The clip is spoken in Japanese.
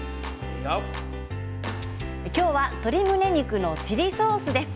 今日は鶏むね肉のチリソースです。